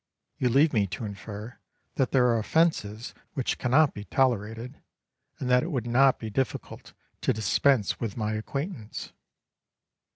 You leave me to infer that there are offences which cannot be tolerated, and that it would not be difficult to dispense with my acquaintance.